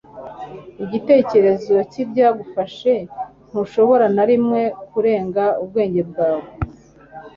igitekerezo cyibyagufashe ntushobora na rimwe kurenga ubwenge bwawe